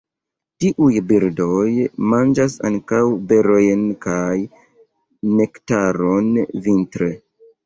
Tiuj birdoj manĝas ankaŭ berojn kaj nektaron vintre.